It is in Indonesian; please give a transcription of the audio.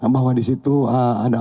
bahwa disitu ada